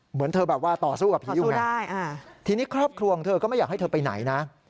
เหมือนเธอแบบว่าต่อสู้กับผีอยู่ไงทีนี้ครอบครัวของเธอก็ไม่อยากให้เธอไปไหนนะ